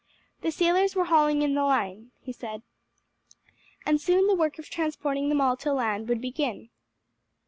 "The sailors were hauling in the line," he said, and soon the work of transporting them all to land would begin.